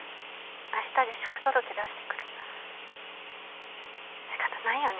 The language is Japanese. ☎明日辞職届出してくる☎仕方ないよね